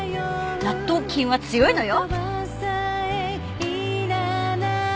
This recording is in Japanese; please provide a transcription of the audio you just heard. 納豆菌は強いのよ。